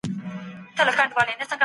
خپله علمي پوهه د نورو سره شریکه کړئ.